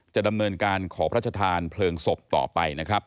จะดำเนินการขอพระชธานเพลิงศพต่อไปนะครับ